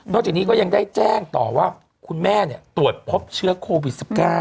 จากนี้ก็ยังได้แจ้งต่อว่าคุณแม่ตรวจพบเชื้อโควิด๑๙